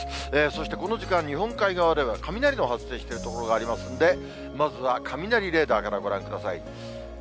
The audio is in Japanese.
そしてこの時間、日本海側では雷の発生している所がありますんで、まずは雷レーダーからご覧ください。